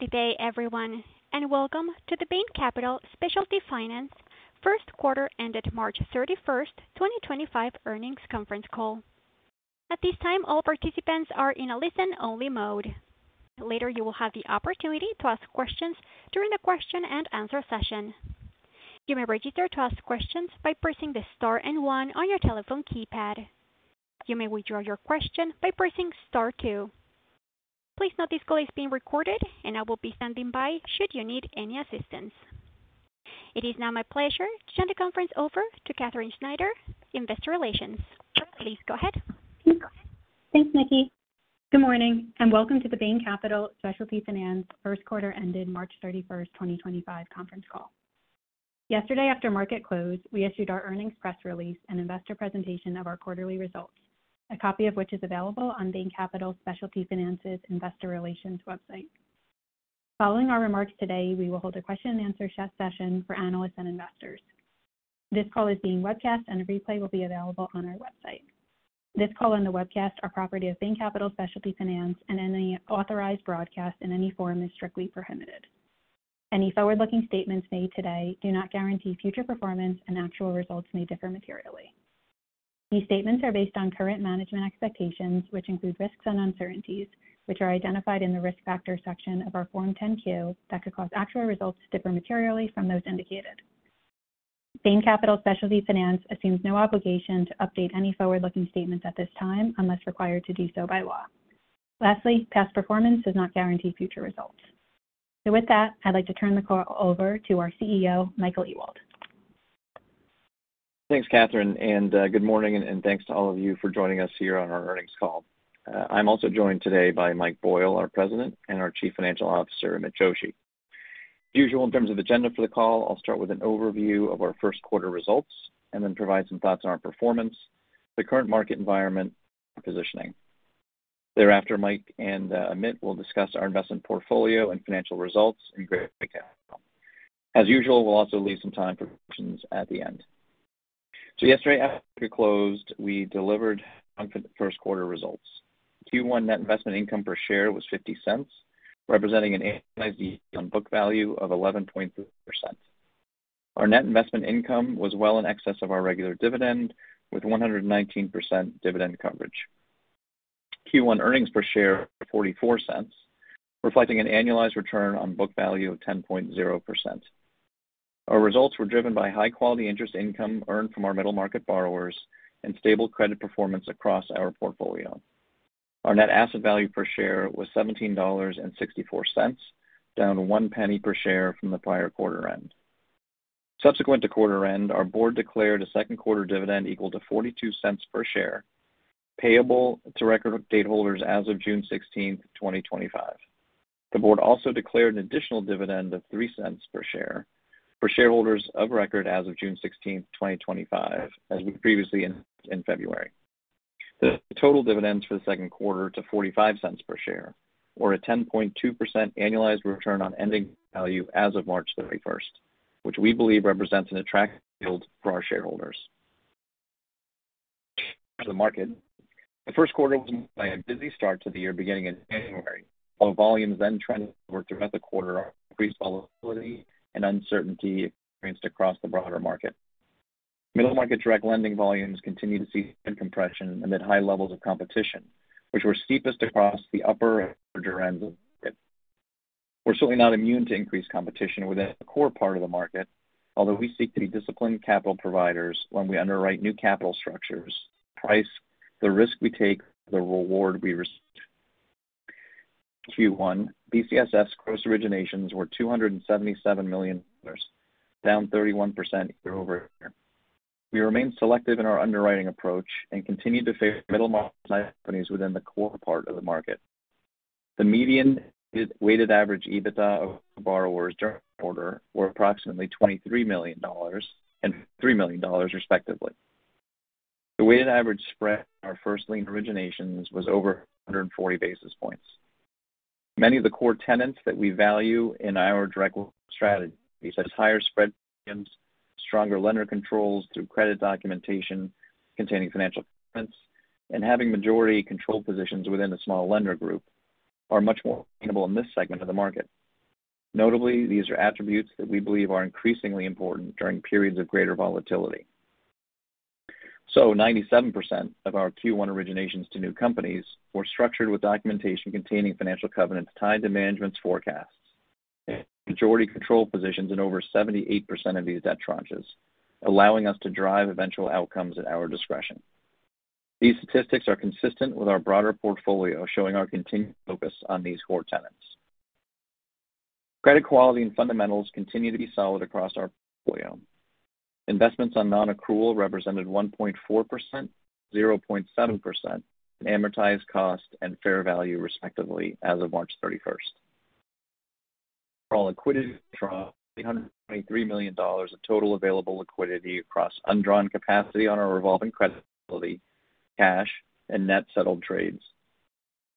Good day, everyone, and welcome to the Bain Capital Specialty Finance First Quarter Ended March 31, 2025 earnings conference call. At this time, all participants are in a listen-only mode. Later, you will have the opportunity to ask questions during the question and answer session. You may register to ask questions by pressing the star and one on your telephone keypad. You may withdraw your question by pressing star two. Please note this call is being recorded, and I will be standing by should you need any assistance. It is now my pleasure to turn the conference over to Katherine Schneider, Investor Relations. Please go ahead. Thanks, Nikki. Good morning and welcome to the Bain Capital Specialty Finance First Quarter Ended March 31, 2025 conference call. Yesterday, after market close, we issued our earnings press release and investor presentation of our quarterly results, a copy of which is available on Bain Capital Specialty Finance's Investor Relations website. Following our remarks today, we will hold a question and answer session for analysts and investors. This call is being webcast, and a replay will be available on our website. This call and the webcast are property of Bain Capital Specialty Finance, and any unauthorized broadcast in any form is strictly prohibited. Any forward-looking statements made today do not guarantee future performance, and actual results may differ materially. These statements are based on current management expectations, which include risks and uncertainties, which are identified in the risk factor section of our Form 10-Q that could cause actual results to differ materially from those indicated. Bain Capital Specialty Finance assumes no obligation to update any forward-looking statements at this time unless required to do so by law. Lastly, past performance does not guarantee future results. With that, I'd like to turn the call over to our CEO, Michael Ewald. Thanks, Katherine, and good morning, and thanks to all of you for joining us here on our earnings call. I'm also joined today by Mike Boyle, our President, and our Chief Financial Officer, Amit Joshi. As usual, in terms of agenda for the call, I'll start with an overview of our first quarter results and then provide some thoughts on our performance, the current market environment, and positioning. Thereafter, Mike and Amit will discuss our investment portfolio and financial results and great capital. As usual, we'll also leave some time for questions at the end. Yesterday, after close, we delivered the first quarter results. Q1 net investment income per share was $0.50, representing an annualized yield on book value of 11.3%. Our net investment income was well in excess of our regular dividend, with 119% dividend coverage. Q1 earnings per share were $0.44, reflecting an annualized return on book value of 10.0%. Our results were driven by high-quality interest income earned from our middle market borrowers and stable credit performance across our portfolio. Our net asset value per share was $17.64, down one penny per share from the prior quarter end. Subsequent to quarter end, our board declared a second quarter dividend equal to $0.42 per share, payable to record date holders as of June 16, 2025. The board also declared an additional dividend of $0.03 per share for shareholders of record as of June 16, 2025, as we previously announced in February. The total dividends for the second quarter were $0.45 per share, or a 10.2% annualized return on ending value as of March 31, which we believe represents an attractive yield for our shareholders. In terms of the market, the first quarter was a busy start to the year beginning in January, although volumes then trended upward throughout the quarter on increased volatility and uncertainty experienced across the broader market. Middle market direct lending volumes continued to see compression amid high levels of competition, which were steepest across the upper and larger ends of the market. We're certainly not immune to increased competition within the core part of the market, although we seek to be disciplined capital providers when we underwrite new capital structures, price the risk we take, the reward we receive. Q1, BCSF's gross originations were $277 million, down 31% year-over-year. We remained selective in our underwriting approach and continued to favor middle market companies within the core part of the market. The median weighted average EBITDA of borrowers during the quarter was approximately $23 million and $3 million, respectively. The weighted average spread in our first lien originations was over 140 basis points. Many of the core tenets that we value in our direct work strategy, such as higher spread premiums, stronger lender controls through credit documentation containing financial commitments, and having majority control positions within a small lender group, are much more attainable in this segment of the market. Notably, these are attributes that we believe are increasingly important during periods of greater volatility. Ninety-seven percent of our Q1 originations to new companies were structured with documentation containing financial covenants tied to management's forecasts and majority control positions in over 78% of these debt tranches, allowing us to drive eventual outcomes at our discretion. These statistics are consistent with our broader portfolio, showing our continued focus on these core tenets. Credit quality and fundamentals continue to be solid across our portfolio. Investments on non-accrual represented 1.4% and 0.7% of amortized cost and fair value, respectively, as of March 31. Overall liquidity drawn was $323 million of total available liquidity across undrawn capacity on our revolving credit facility, cash, and net settled trades.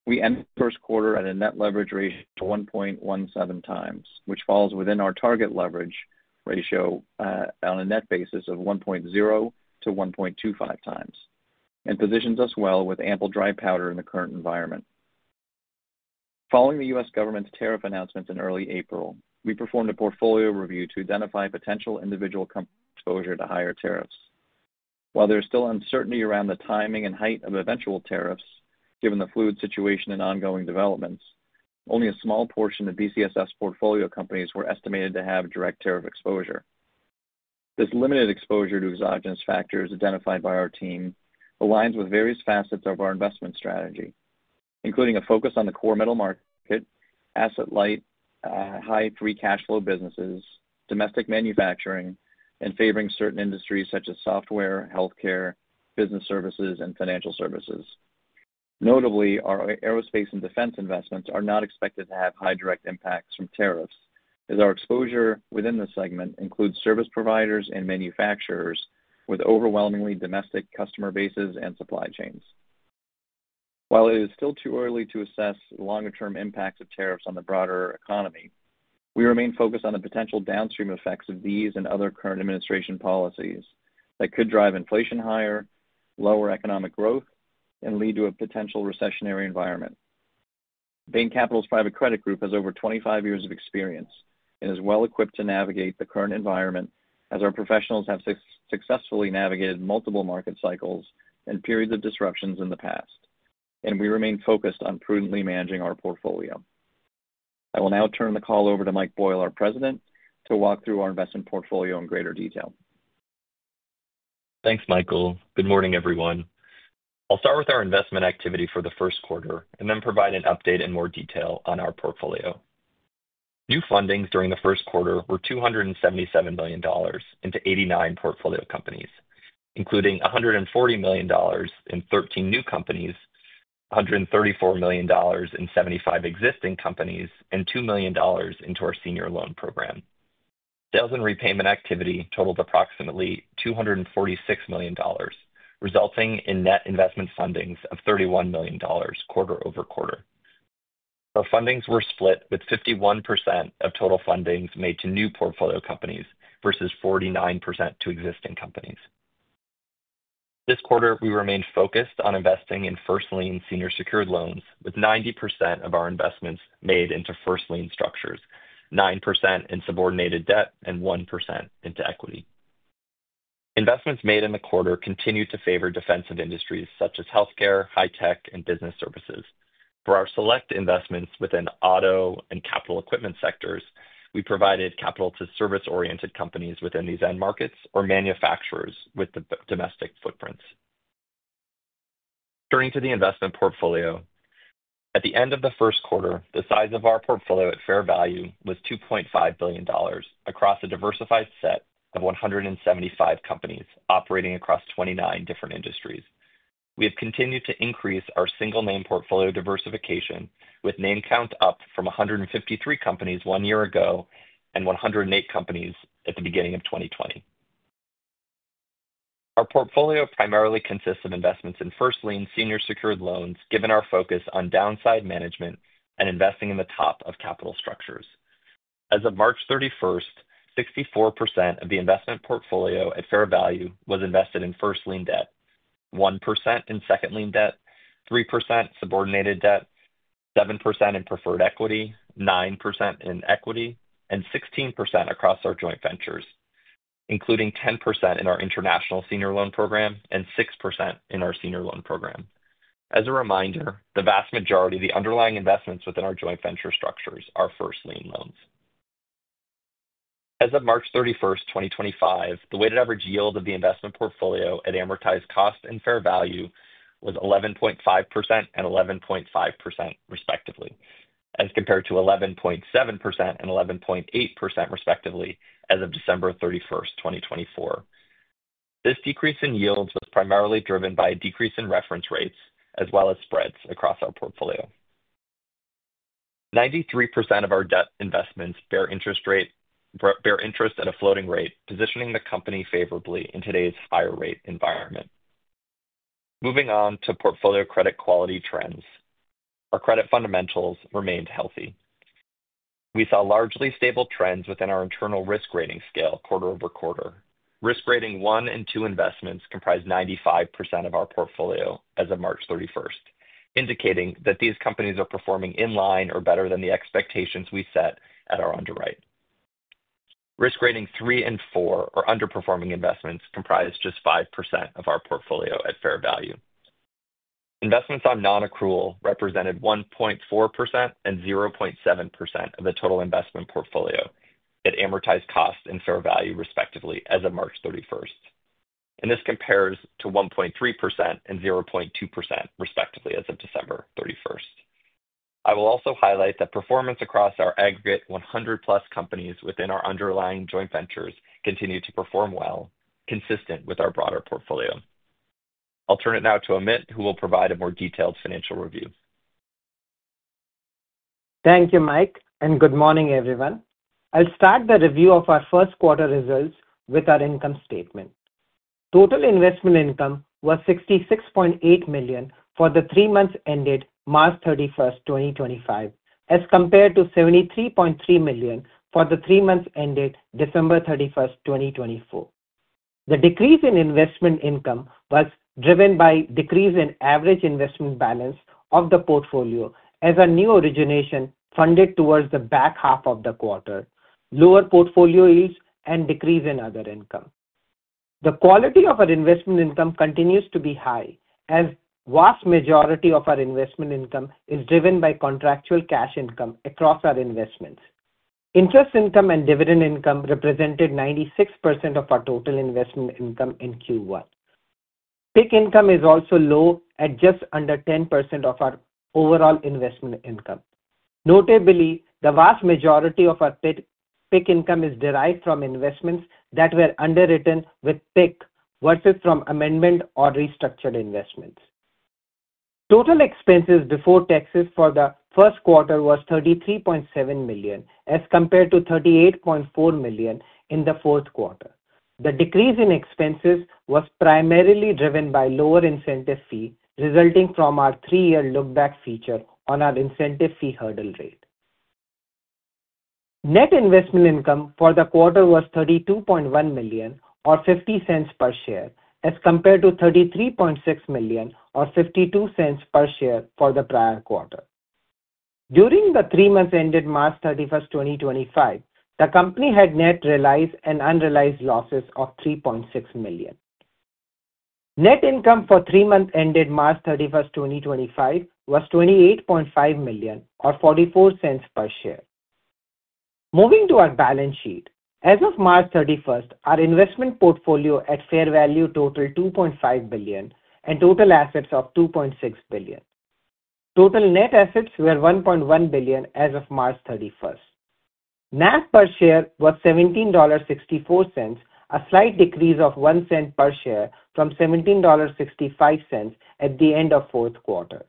We end the first quarter at a net leverage ratio of 1.17 times, which falls within our target leverage ratio on a net basis of 1.0-1.25 times, and positions us well with ample dry powder in the current environment. Following the U.S. government's tariff announcements in early April, we performed a portfolio review to identify potential individual company exposure to higher tariffs. While there is still uncertainty around the timing and height of eventual tariffs, given the fluid situation and ongoing developments, only a small portion of BCSF's portfolio companies were estimated to have direct tariff exposure. This limited exposure to exogenous factors identified by our team aligns with various facets of our investment strategy, including a focus on the core middle market, asset light, high free cash flow businesses, domestic manufacturing, and favoring certain industries such as software, healthcare, business services, and financial services. Notably, our aerospace and defense investments are not expected to have high direct impacts from tariffs, as our exposure within the segment includes service providers and manufacturers with overwhelmingly domestic customer bases and supply chains. While it is still too early to assess longer-term impacts of tariffs on the broader economy, we remain focused on the potential downstream effects of these and other current administration policies that could drive inflation higher, lower economic growth, and lead to a potential recessionary environment. Bain Capital's private credit group has over 25 years of experience and is well equipped to navigate the current environment, as our professionals have successfully navigated multiple market cycles and periods of disruptions in the past, and we remain focused on prudently managing our portfolio. I will now turn the call over to Mike Boyle, our President, to walk through our investment portfolio in greater detail. Thanks, Michael. Good morning, everyone. I'll start with our investment activity for the first quarter and then provide an update in more detail on our portfolio. New fundings during the first quarter were $277 million into 89 portfolio companies, including $140 million in 13 new companies, $134 million in 75 existing companies, and $2 million into our senior loan program. Sales and repayment activity totaled approximately $246 million, resulting in net investment fundings of $31 million quarter over quarter. Our fundings were split with 51% of total fundings made to new portfolio companies versus 49% to existing companies. This quarter, we remained focused on investing in first lien senior secured loans, with 90% of our investments made into first lien structures, 9% in subordinated debt, and 1% into equity. Investments made in the quarter continued to favor defensive industries such as healthcare, high tech, and business services. For our select investments within auto and capital equipment sectors, we provided capital to service-oriented companies within these end markets or manufacturers with domestic footprints. Turning to the investment portfolio, at the end of the first quarter, the size of our portfolio at fair value was $2.5 billion across a diversified set of 175 companies operating across 29 different industries. We have continued to increase our single-name portfolio diversification, with name count up from 153 companies one year ago and 108 companies at the beginning of 2020. Our portfolio primarily consists of investments in first lien senior secured loans, given our focus on downside management and investing in the top of capital structures. As of March 31, 64% of the investment portfolio at fair value was invested in first lien debt, 1% in second lien debt, 3% in subordinated debt, 7% in preferred equity, 9% in equity, and 16% across our joint ventures, including 10% in our international senior loan program and 6% in our senior loan program. As a reminder, the vast majority of the underlying investments within our joint venture structures are first lien loans. As of March 31, 2025, the weighted average yield of the investment portfolio at amortized cost and fair value was 11.5% and 11.5%, respectively, as compared to 11.7% and 11.8%, respectively, as of December 31, 2024. This decrease in yields was primarily driven by a decrease in reference rates as well as spreads across our portfolio. 93% of our debt investments bear interest at a floating rate, positioning the company favorably in today's higher rate environment. Moving on to portfolio credit quality trends, our credit fundamentals remained healthy. We saw largely stable trends within our internal risk rating scale quarter over quarter. Risk rating one and two investments comprised 95% of our portfolio as of March 31, indicating that these companies are performing in line or better than the expectations we set at our underwrite. Risk rating three and four are underperforming investments comprised just 5% of our portfolio at fair value. Investments on non-accrual represented 1.4% and 0.7% of the total investment portfolio at amortized cost and fair value, respectively, as of March 31. This compares to 1.3% and 0.2%, respectively, as of December 31. I will also highlight that performance across our aggregate 100-plus companies within our underlying joint ventures continued to perform well, consistent with our broader portfolio. I'll turn it now to Amit, who will provide a more detailed financial review. Thank you, Mike, and good morning, everyone. I'll start the review of our first quarter results with our income statement. Total investment income was $66.8 million for the three months ended March 31, 2025, as compared to $73.3 million for the three months ended December 31, 2024. The decrease in investment income was driven by a decrease in average investment balance of the portfolio as a new origination funded towards the back half of the quarter, lower portfolio yields, and a decrease in other income. The quality of our investment income continues to be high, as the vast majority of our investment income is driven by contractual cash income across our investments. Interest income and dividend income represented 96% of our total investment income in Q1. PIK income is also low, at just under 10% of our overall investment income. Notably, the vast majority of our pick income is derived from investments that were underwritten with PIK versus from amendment or restructured investments. Total expenses before taxes for the first quarter was $33.7 million, as compared to $38.4 million in the fourth quarter. The decrease in expenses was primarily driven by lower incentive fee resulting from our three-year lookback feature on our incentive fee hurdle rate. Net investment income for the quarter was $32.1 million, or $0.50 per share, as compared to $33.6 million, or $0.52 per share for the prior quarter. During the three months ended March 31, 2025, the company had net realized and unrealized losses of $3.6 million. Net income for three months ended March 31, 2025, was $28.5 million, or $0.44 per share. Moving to our balance sheet, as of March 31, our investment portfolio at fair value totaled $2.5 billion and total assets of $2.6 billion. Total net assets were $1.1 billion as of March 31. NAV per share was $17.64, a slight decrease of $0.01 per share from $17.65 at the end of the fourth quarter.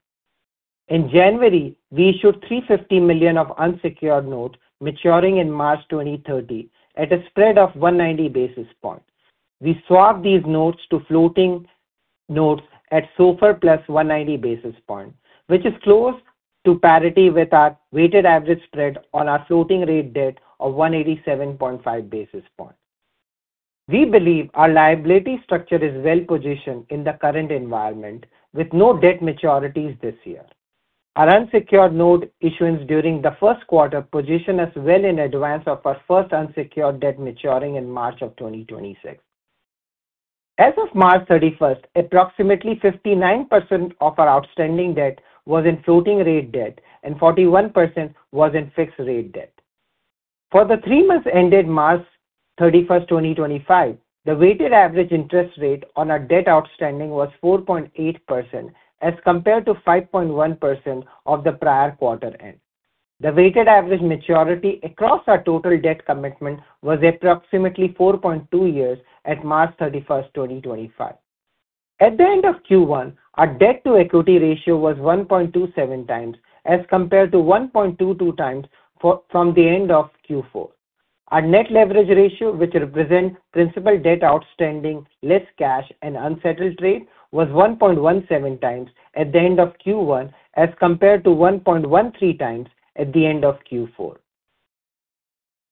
In January, we issued $350 million of unsecured notes maturing in March 2030 at a spread of 190 basis points. We swapped these notes to floating notes at SOFR plus 190 basis points, which is close to parity with our weighted average spread on our floating rate debt of 187.5 basis points. We believe our liability structure is well positioned in the current environment, with no debt maturities this year. Our unsecured note issuance during the first quarter positioned us well in advance of our first unsecured debt maturing in March of 2026. As of March 31, approximately 59% of our outstanding debt was in floating rate debt, and 41% was in fixed rate debt. For the three months ended March 31, 2025, the weighted average interest rate on our debt outstanding was 4.8%, as compared to 5.1% at the prior quarter end. The weighted average maturity across our total debt commitment was approximately 4.2 years at March 31, 2025. At the end of Q1, our debt-to-equity ratio was 1.27 times, as compared to 1.22 times at the end of Q4. Our net leverage ratio, which represents principal debt outstanding less cash and unsettled trade, was 1.17 times at the end of Q1, as compared to 1.13 times at the end of Q4.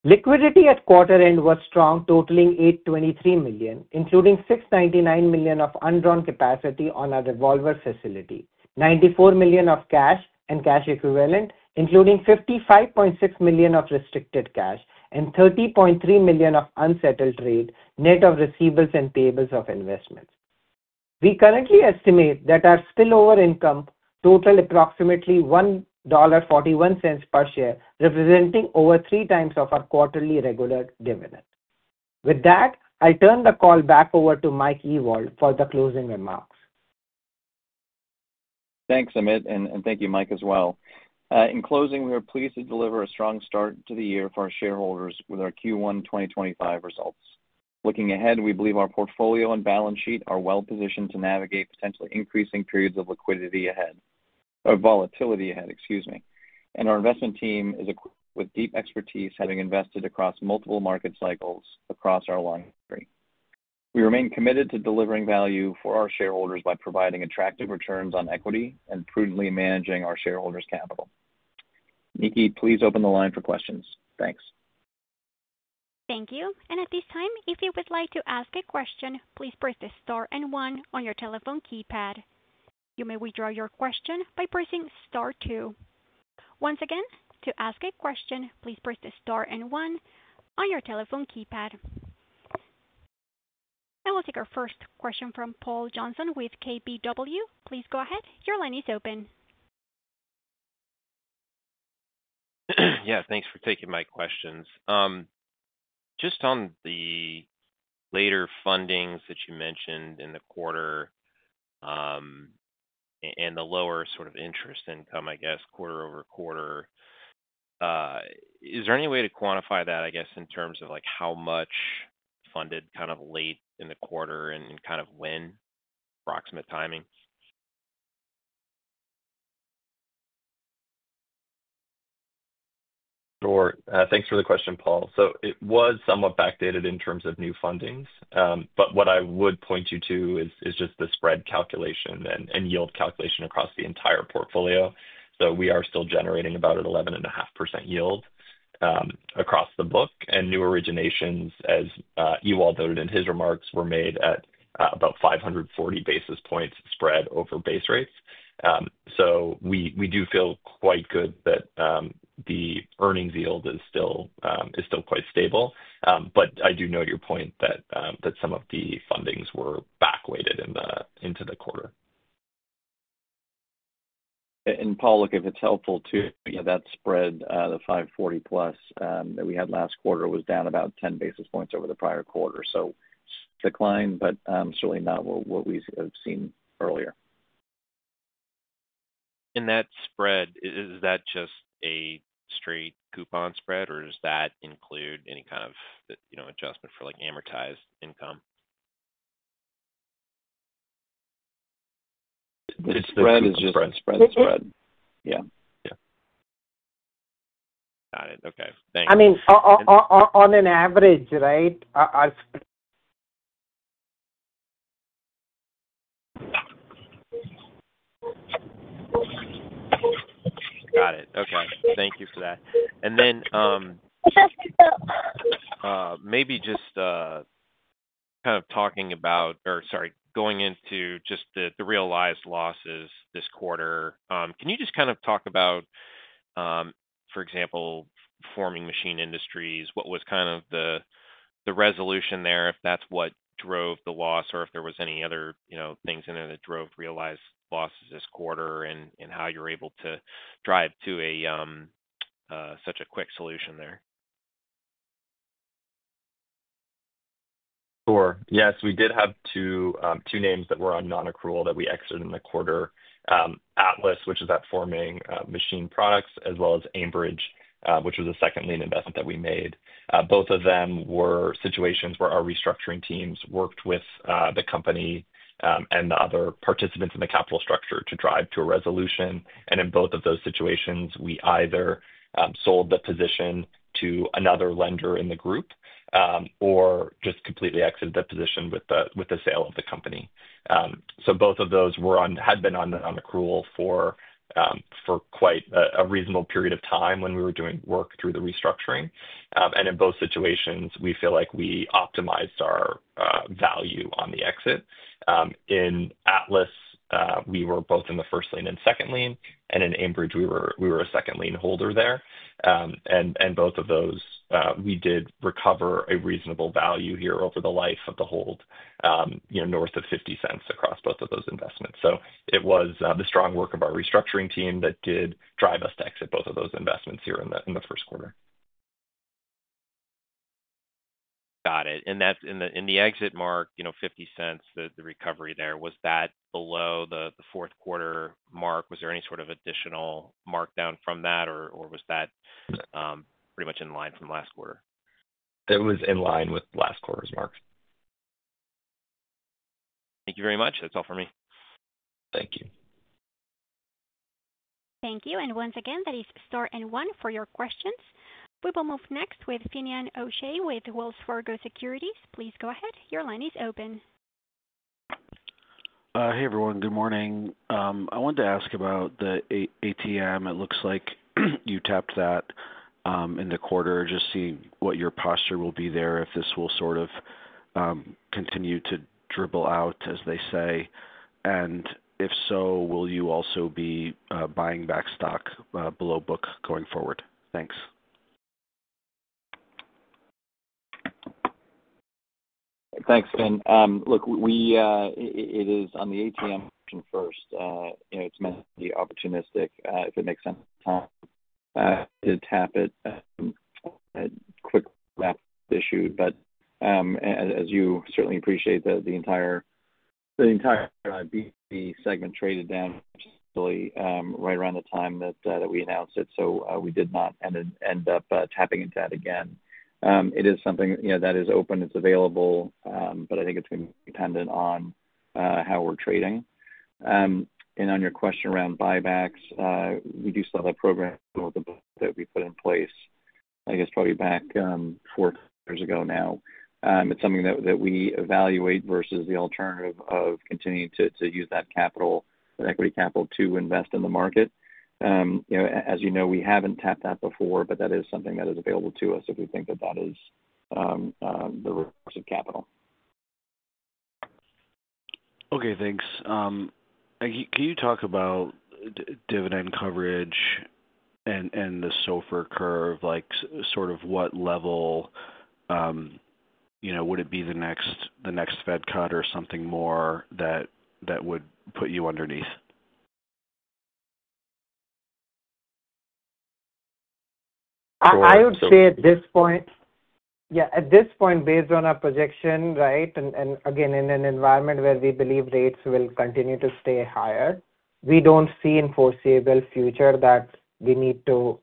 Liquidity at quarter end was strong, totaling $823 million, including $699 million of undrawn capacity on our revolver facility, $94 million of cash and cash equivalent, including $55.6 million of restricted cash, and $30.3 million of unsettled trade, net of receivables and payables of investments. We currently estimate that our spillover income totaled approximately $1.41 per share, representing over three times our quarterly regular dividend. With that, I'll turn the call back over to Mike Ewald for the closing remarks. Thanks, Amit, and thank you, Mike, as well. In closing, we are pleased to deliver a strong start to the year for our shareholders with our Q1 2025 results. Looking ahead, we believe our portfolio and balance sheet are well positioned to navigate potentially increasing periods of liquidity or volatility ahead, excuse me. Our investment team is equipped with deep expertise, having invested across multiple market cycles across our line history. We remain committed to delivering value for our shareholders by providing attractive returns on equity and prudently managing our shareholders' capital. Nikki, please open the line for questions. Thanks. Thank you. At this time, if you would like to ask a question, please press the star and one on your telephone keypad. You may withdraw your question by pressing star two. Once again, to ask a question, please press the star and one on your telephone keypad. We will take our first question from Paul Johnson with KBW. Please go ahead. Your line is open. Yeah, thanks for taking my questions. Just on the later fundings that you mentioned in the quarter and the lower sort of interest income, I guess, quarter over quarter, is there any way to quantify that, I guess, in terms of how much funded kind of late in the quarter and kind of when? Approximate timing? Sure. Thanks for the question, Paul. It was somewhat backdated in terms of new fundings. What I would point you to is just the spread calculation and yield calculation across the entire portfolio. We are still generating about an 11.5% yield across the book. New originations, as Ewald noted in his remarks, were made at about 540 basis points spread over base rates. We do feel quite good that the earnings yield is still quite stable. I do note your point that some of the fundings were backweighted into the quarter. Paul, if it's helpful too, that spread, the 540+ that we had last quarter was down about 10 basis points over the prior quarter. Decline, but certainly not what we have seen earlier. Is that spread just a straight coupon spread, or does that include any kind of adjustment for amortized income? Its spread is just spread. Spread. Yeah. Yeah. Got it. Okay. Thanks. I mean, on an average, right? Got it. Okay. Thank you for that. Maybe just kind of talking about, or sorry, going into just the realized losses this quarter, can you just kind of talk about, for example, Forming Machine Industries? What was kind of the resolution there, if that's what drove the loss, or if there were any other things in there that drove realized losses this quarter and how you were able to drive to such a quick solution there? Sure. Yes, we did have two names that were on non-accrual that we exited in the quarter: Atlas, which is at Forming Machine Products, as well as Aimbridge, which was a second lien investment that we made. Both of them were situations where our restructuring teams worked with the company and the other participants in the capital structure to drive to a resolution. In both of those situations, we either sold the position to another lender in the group or just completely exited the position with the sale of the company. Both of those had been on accrual for quite a reasonable period of time when we were doing work through the restructuring. In both situations, we feel like we optimized our value on the exit. In Atlas, we were both in the first lien and second lien. In Aimbridge, we were a second lien holder there. Both of those, we did recover a reasonable value here over the life of the hold, north of $0.50 across both of those investments. It was the strong work of our restructuring team that did drive us to exit both of those investments here in the first quarter. Got it. In the exit mark, $0.50, the recovery there, was that below the fourth quarter mark? Was there any sort of additional markdown from that, or was that pretty much in line from last quarter? It was in line with last quarter's marks. Thank you very much. That's all for me. Thank you. Thank you. Once again, that is star and one for your questions. We will move next with Finian O'Shea with Wells Fargo Securities. Please go ahead. Your line is open. Hey, everyone. Good morning. I wanted to ask about the ATM. It looks like you tapped that in the quarter. Just see what your posture will be there, if this will sort of continue to dribble out, as they say. If so, will you also be buying back stock below book going forward? Thanks. Thanks, Fin. Look, it is on the ATM option first. It's meant to be opportunistic, if it makes sense, to tap it. Quick wrap issue. As you certainly appreciate, the entire B segment traded down recently right around the time that we announced it, so we did not end up tapping into that again. It is something that is open. It's available, but I think it's going to be dependent on how we're trading. On your question around buybacks, we do still have a program that we put in place, I guess, probably back four years ago now. It's something that we evaluate versus the alternative of continuing to use that capital, that equity capital, to invest in the market. As you know, we haven't tapped that before, but that is something that is available to us if we think that that is the resource of capital. Okay. Thanks. Can you talk about dividend coverage and the SOFR curve? Sort of what level would it be the next Fed cut or something more that would put you underneath? I would say at this point, yeah, at this point, based on our projection, right, and again, in an environment where we believe rates will continue to stay higher, we do not see in foreseeable future that we need to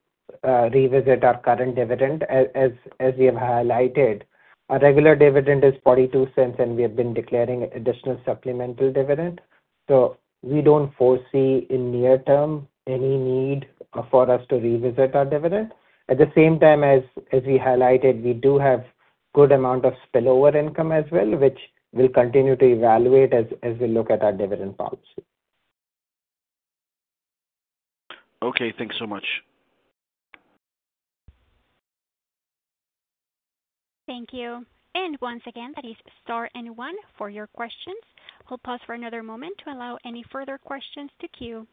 revisit our current dividend, as we have highlighted. Our regular dividend is $0.42, and we have been declaring additional supplemental dividend. We do not foresee in near term any need for us to revisit our dividend. At the same time as we highlighted, we do have a good amount of spillover income as well, which we will continue to evaluate as we look at our dividend policy. Okay. Thanks so much. Thank you. Once again, that is star and one for your questions. We'll pause for another moment to allow any further questions to queue.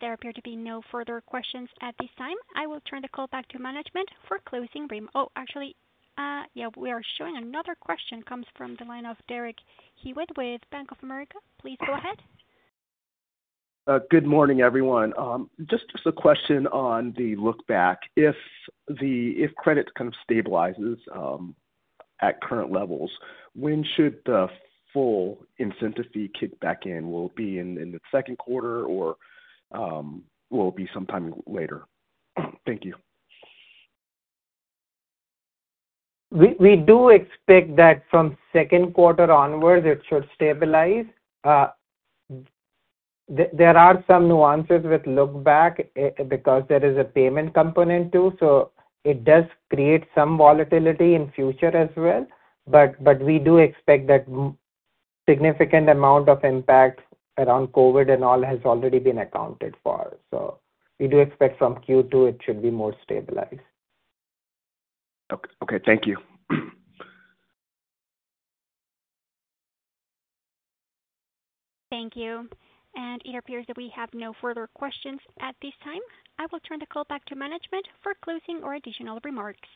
There appear to be no further questions at this time. I will turn the call back to management for closing rem. Oh, actually, yeah, we are showing another question comes from the line of Derek Hewett with Bank of America. Please go ahead. Good morning, everyone. Just a question on the look-back. If credit kind of stabilizes at current levels, when should the full incentive fee kick back in? Will it be in the second quarter, or will it be sometime later? Thank you. We do expect that from second quarter onwards, it should stabilize. There are some nuances with look-back because there is a payment component too. It does create some volatility in future as well. We do expect that significant amount of impact around COVID and all has already been accounted for. We do expect from Q2, it should be more stabilized. Okay. Thank you. Thank you. It appears that we have no further questions at this time. I will turn the call back to management for closing or additional remarks.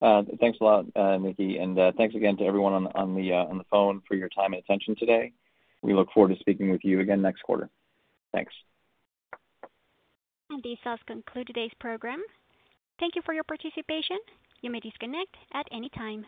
Thanks a lot, Nikki. Thanks again to everyone on the phone for your time and attention today. We look forward to speaking with you again next quarter. Thanks. This does conclude today's program. Thank you for your participation. You may disconnect at any time.